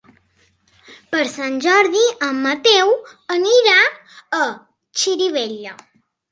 Per Sant Jordi en Mateu anirà a Xirivella.